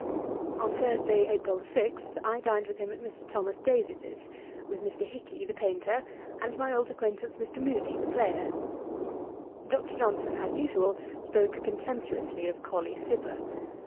On Thursday, April 6, I dined with him at Mr. Thomas Davies's, with Mr. Hicky, the painter, and my old acquaintance Mr. Moody, the player. Dr. Johnson, as usual, spoke contemptuously of Colley Cibber.